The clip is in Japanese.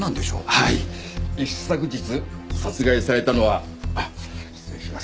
はい一昨日殺害されたのは失礼します